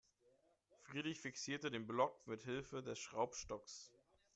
Friedrich fixierte den Block mithilfe des Schraubstocks.